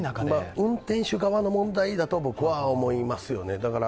運転手側の問題だと僕は思いますよね。